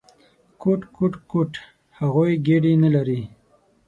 _کوټ، کوټ، کوټ… هغوی ګېډې نه لري!